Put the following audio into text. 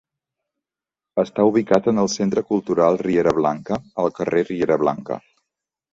Està ubicat en el Centre Cultural Riera Blanca, al Carrer Riera Blanca.